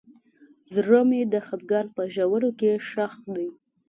زړه مې د خفګان په ژورو کې ښخ دی.